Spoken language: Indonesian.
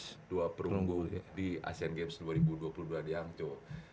dua emas dua perunggu di asean games dua ribu dua puluh di angco